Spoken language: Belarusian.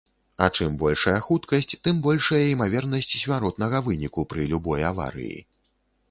А чым большая хуткасць, тым большая імавернасць смяротнага выніку пры любой аварыі.